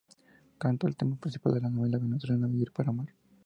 Cantó el tema principal de la novela venezolana "Vivir para amar".